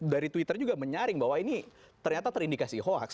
dari twitter juga menyaring bahwa ini ternyata terindikasi hoax